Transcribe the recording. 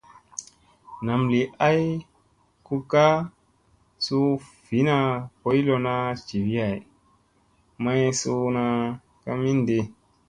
Nam li ay kukŋa su vii na, boy lona jivi hay, may suuna ka mindi.